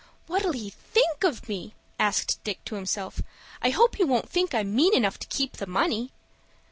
"What'll he think of me?" said Dick to himself. "I hope he won't think I'm mean enough to keep the money."